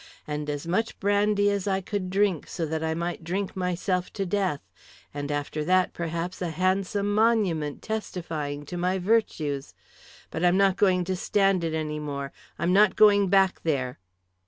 And as much brandy as I could drink so that I might drink myself to death, and after that perhaps a handsome monument testifying to my virtues. But I'm not going to stand it any more, I'm not going back there."